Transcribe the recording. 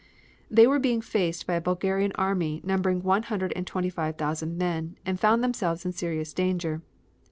They were being faced by a Bulgarian army numbering one hundred and twenty five thousand men, and found themselves in serious danger.